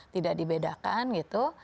tidak dibedakan gitu